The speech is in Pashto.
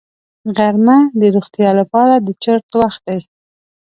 غرمه د روغتیا لپاره د چرت وخت دی